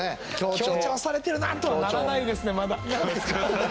「強調されてるな」とはならないですねまだ。